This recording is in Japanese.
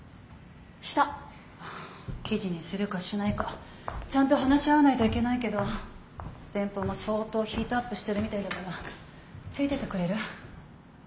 記事にするかしないかちゃんと話し合わないといけないけど先方も相当ヒートアップしてるみたいだからついてってくれる？